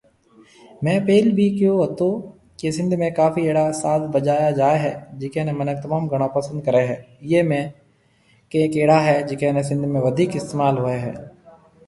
مينهه پيل بِي ڪهيو تو ڪي سنڌ ۾ ڪافي اهڙا ساز بجايا جاوي هي جڪي ني منک تموم گھڻو پسند ڪري ايئي ۾ ڪئينڪ اهڙا هي جڪي ني سنڌ ۾ وڌيڪ استعمال هوئي هي